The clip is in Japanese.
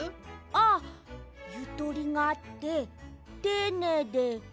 あゆとりがあってていねいで。